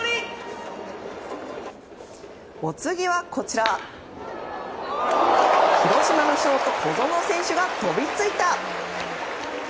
お次は広島のショート小園選手が飛びついた！